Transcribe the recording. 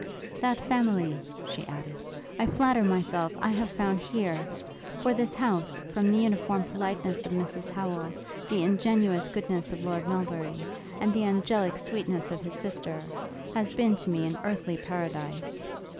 'That family,' she added, 'I flatter myself I have found here! for this house, from the uniform politeness of Mrs Howel, the ingenuous goodness of Lord Melbury, and the angelic sweetness of his sister, has been to me an earthly paradise.'